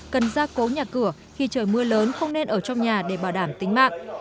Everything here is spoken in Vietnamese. cần ra cố nhà cửa khi trời mưa lớn không nên ở trong nhà để bảo đảm tính mạng